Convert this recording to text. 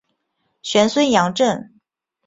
玄孙杨震。